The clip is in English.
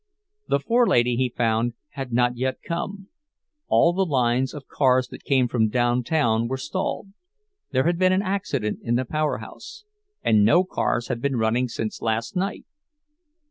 The "forelady," he found, had not yet come; all the lines of cars that came from downtown were stalled—there had been an accident in the powerhouse, and no cars had been running since last night.